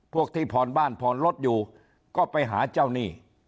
ที่ผ่อนบ้านผ่อนรถอยู่ก็ไปหาเจ้าหนี้